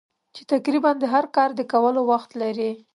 چې تقریباً د هر کار د کولو وخت لرې.